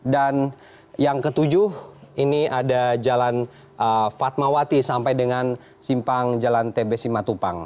dan yang ke tujuh ini ada jalan fatmawati sampai dengan simpang jalan tbs simatupang